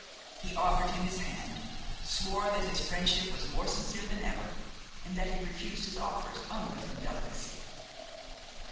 He offered him his hand, swore that his friendship was more sincere than ever, and that he refused his offers only from delicacy.